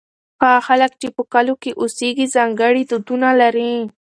هغه خلک چې په کلو کې اوسېږي ځانګړي دودونه لري.